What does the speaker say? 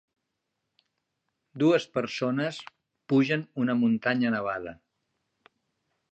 Dues persones pugen una muntanya nevada.